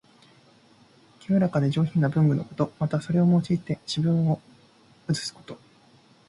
清らかで上品な文具のこと。また、それを用いて詩文を写すこと。